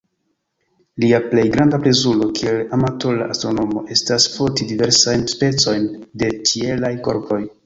Lia plej granda plezuro kiel amatora astronomo estas foti diversajn specojn de ĉielaj korpoj.